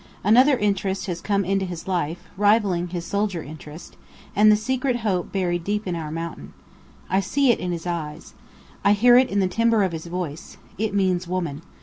Another interest has come into his life, rivalling his soldier interest, and the secret hope buried deep in our Mountain. I see it in his eyes. I hear it in the timbre of his voice. It means Woman.